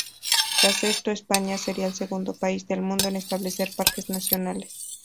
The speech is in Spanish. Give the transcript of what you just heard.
Tras esto, España sería el segundo país del mundo en establecer parques nacionales.